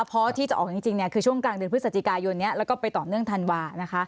เพราะที่จะออกจริงคือช่วงกลางเดือนพฤศจิกายนนี้แล้วก็ไปต่อเนื่องธันวานะคะ